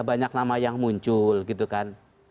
banyak nama yang muncul gitu kan